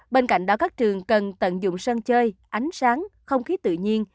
bên cạnh đó các trường cần tận dụng sân chơi ánh sáng không khí tự nhiên